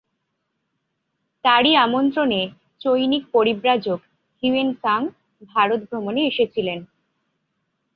তারই আমন্ত্রণে চৈনিক পরিব্রাজক Hiuen Tsang Bharat ভ্রমণে এসেছিলেন।